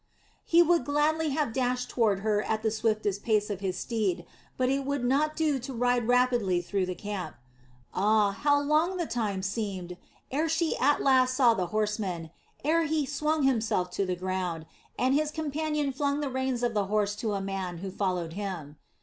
He would gladly have dashed toward her at the swiftest pace of his steed, but it would not do to ride rapidly through the camp. Ah, how long the time seemed ere she at last saw the horseman, ere he swung himself to the ground, and his companion flung the reins of the horse to a man who followed him.